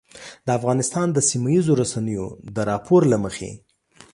د افغانستان د سیمهییزو رسنیو د راپور له مخې